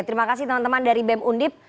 terima kasih teman teman dari bem undip